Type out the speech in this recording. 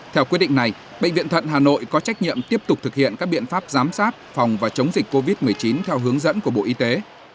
theo quyết định này bệnh viện thận hà nội có trách nhiệm tiếp tục thực hiện các biện pháp giám sát phòng và chống dịch covid một mươi chín theo hướng dẫn của bộ y tế